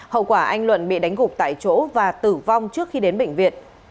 hậu quả anh luận bị đánh gục tại chỗ và tử vong trước khi đến bệnh viện